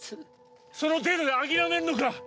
その程度で諦めんのか。